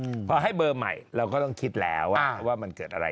พอให้เบอร์ใหม่เราก็ต้องคิดแล้วว่ามันเกิดอะไร